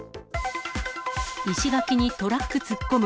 石垣にトラック突っ込む。